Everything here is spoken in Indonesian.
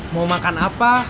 mau makan apa